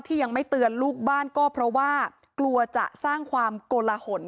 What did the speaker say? ยังไม่เตือนลูกบ้านก็เพราะว่ากลัวจะสร้างความโกลหน